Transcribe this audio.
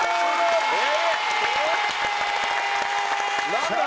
何だ？